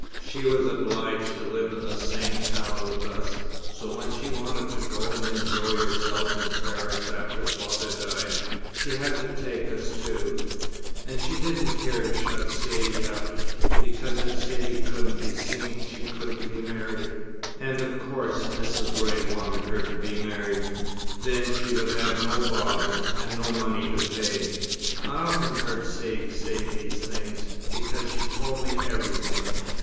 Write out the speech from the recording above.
She was obliged to live in the same town with us; so when she wanted to go and enjoy herself in Paris after father died, she had to take us too. And she didn't care to shut Saidee up, because if Saidee couldn't be seen, she couldn't be married; and of course Mrs. Ray wanted her to be married. Then she would have no bother, and no money to pay. I often heard Saidee say these things, because she told me everything.